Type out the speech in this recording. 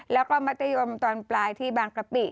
แล้วก็มัธยมตอนปลายที่บางกะปิ